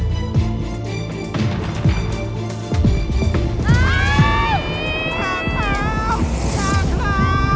โปรดติดตามตอนต่อไป